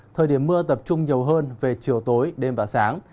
thời điểm mưa tập trung nhiều hơn về chiều tối đêm và sáng